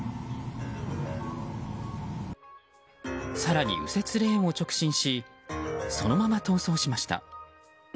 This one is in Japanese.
更に右折レーンを直進しそのまま逃走しました。